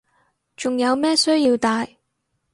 仲有咩需要戴